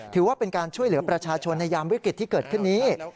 ถือว่าเป็นการช่วยเหลือประชาชนในยามวิกฤตที่เกิดขึ้นนี้